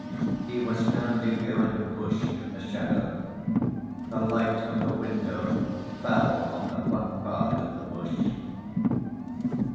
He was standing behind a bush in the shadow. The light of the window fell on the front part of the bush.